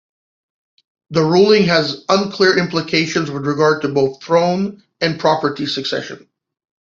The ruling has unclear implications with regard to both throne and property succession.